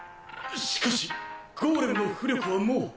しかしゴーレムの巫力はもう。